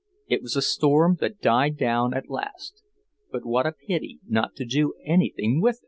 It was a storm that died down at last, but what a pity not to do anything with it!